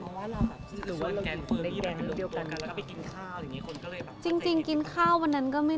หรือว่าเรากินเบอร์มี่แล้วกันแล้วก็ไปกินข้าวอย่างงี้คนก็เลยแบบ